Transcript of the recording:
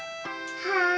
はい！